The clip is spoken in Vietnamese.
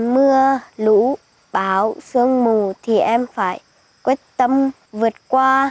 mưa lũ báo sương mù thì em phải quyết tâm vượt qua